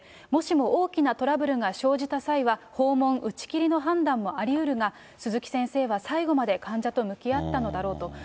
もしも大きなトラブルが生じた際は、訪問打ち切りの判断もありうるが、鈴木先生は最後まで患者と向き合ったのだろうと。